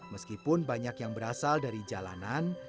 meskipun banyak yang berasal dari jalanan